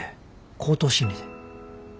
口頭審理で。